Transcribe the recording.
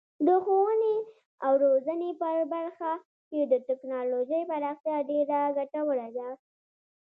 د ښوونې او روزنې په برخه کې د تکنالوژۍ پراختیا ډیره ګټوره ده.